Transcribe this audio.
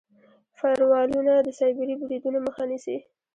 فایروالونه د سایبري بریدونو مخه نیسي.